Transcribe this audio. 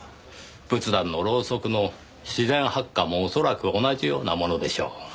仏壇のろうそくの自然発火も恐らく同じようなものでしょう。